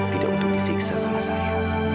tidak untuk disiksa sama saya